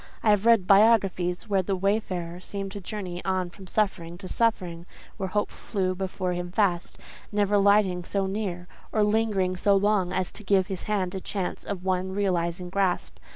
I have read biographies where the wayfarer seemed to journey on from suffering to suffering; where Hope flew before him fast, never alighting so near, or lingering so long, as to give his hand a chance of one realizing grasp.